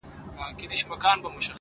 علم د انسان هویت روښانه کوي.